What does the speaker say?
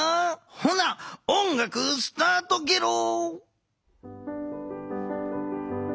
ほな音楽スタートゲロー。